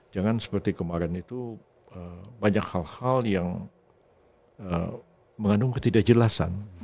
jangan seperti kemarin itu banyak hal hal yang mengandung ketidakjelasan